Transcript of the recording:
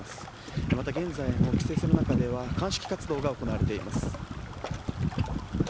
また、現在も規制線の中では鑑識活動が行われています。